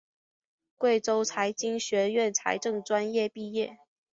贵州财经学院财政专业毕业。